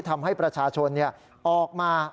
ทำให้ประชาชนออกมา